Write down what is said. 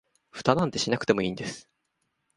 フタなんてしなくてもいいんです